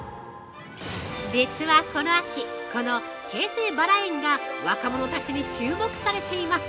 ◆実はこの秋、この京成バラ園が若者たちに注目されています。